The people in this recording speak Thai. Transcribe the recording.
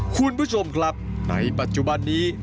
คุณผู้ชมครับในปัจจุบันนี้